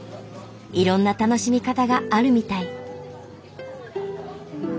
いろんな楽しみ方があるみたい。